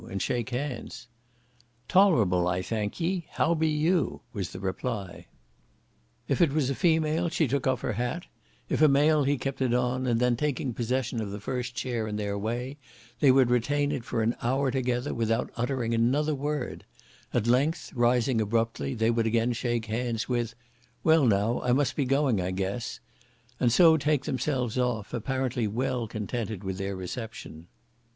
and shake hands. "Tolerable, I thank ye, how be you?" was the reply. If it was a female, she took off her hat; if a male, he kept it on, and then taking possession of the first chair in their way, they would retain it for an hour together, without uttering another word; at length, rising abruptly, they would again shake hands, with, "Well, now I must be going, I guess," and so take themselves off, apparently well contented with their reception.